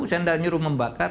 saya nggak nyuruh membakar